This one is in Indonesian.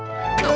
gak ada apa apa